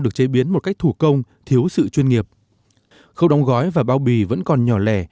được chế biến một cách thủ công thiếu sự chuyên nghiệp khâu đóng gói và bao bì vẫn còn nhỏ lẻ